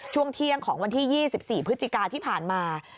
ช่วงเที่ยงของวันที่๒๔พฤศจิกาที่ผ่านมา